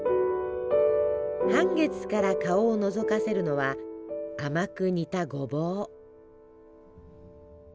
半月から顔をのぞかせるのは甘く煮たごぼう。